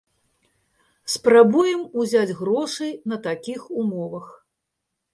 Спрабуем узяць грошы на такіх умовах.